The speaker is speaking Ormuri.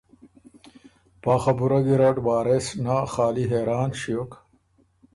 پا خبُره ګېرډ وارث نۀ خالی حېران ݭیوک